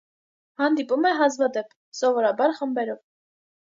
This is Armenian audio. Հանդիպում է հազվադեպ, սովորաբար խմբերով։